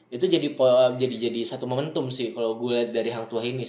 itu jadi satu momentum sih kalau gue lihat dari hang tua ini